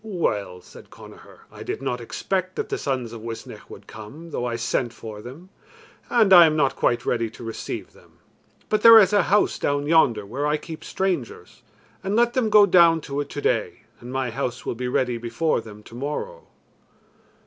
"Well," said Connachar, "I did not expect that the sons of Uisnech would come, though I sent for them, and I am not quite ready to receive them. But there is a house down yonder where I keep strangers, and let them go down to it today, and my house will be ready before them tomorrow."